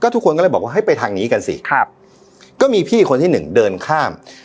ทุกคนก็เลยบอกว่าให้ไปทางนี้กันสิครับก็มีพี่คนที่หนึ่งเดินข้าม